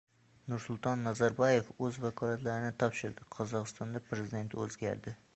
Nursulton Nazarboyev o‘z vakolatlarini topshirdi: Qozog‘istonda prezident o‘zgaradi